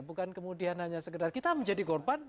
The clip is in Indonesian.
bukan kemudian hanya sekedar kita menjadi korban